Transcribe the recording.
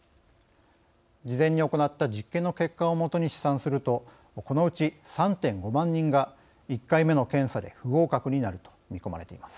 事前に行った実験の結果をもとに試算するとこのうち３．５万人が１回目の検査で不合格になると見込まれています。